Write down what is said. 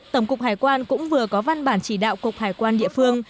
tổng cục hải quan cũng vừa có văn bản chỉ đạo cục hải quan địa phương